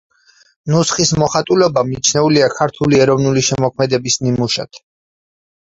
ნუსხის მოხატულობა მიჩნეულია ქართული ეროვნული შემოქმედების ნიმუშად.